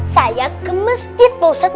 saya ke masjid pak ustadz